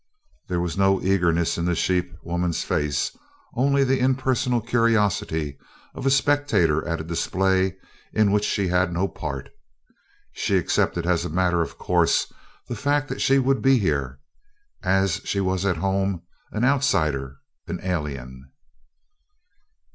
There was no eagerness in the sheep woman's face, only the impersonal curiosity of a spectator at a display in which he had no part. She accepted as a matter of course the fact that she would be here, as she was at home, an outsider, an alien.